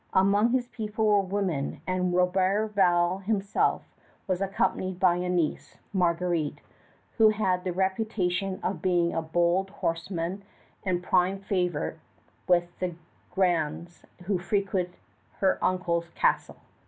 Among his people were women, and Roberval himself was accompanied by a niece, Marguerite, who had the reputation of being a bold horsewoman and prime favorite with the grandees who frequented her uncle's castle.